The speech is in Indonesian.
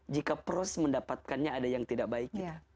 jika proses mendapatkannya ada yang tidak baik